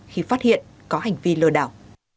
khi phát hiện có hành vi lừa đảo